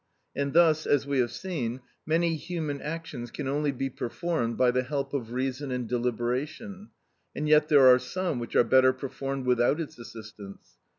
And thus, as we have seen, many human actions can only be performed by the help of reason and deliberation, and yet there are some which are better performed without its assistance.